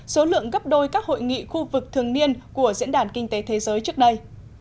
số lượng gấp đôi các hội nghị khu vực thường niên của diễn đàn kinh tế thế giới trước đây